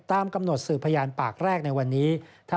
ตามกำหนดสืบพยานปากแรกในวันนี้